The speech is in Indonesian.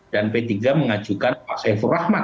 dan p tiga mengajukan pak seyfur rahmat